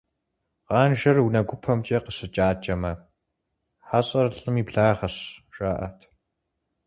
Къанжэр унэ гупэмкӀэ къыщыкӀакӀэмэ, хьэщӀэр лӀым и благъэщ, жаӀэрт.